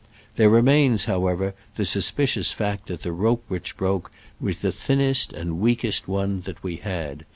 There remains, however, the suspicious fact that the rope which broke was the thinnest and weakest one that we had.